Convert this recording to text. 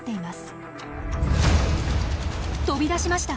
飛び出しました！